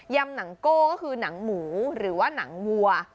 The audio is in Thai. ำหนังโก้ก็คือหนังหมูหรือว่าหนังวัว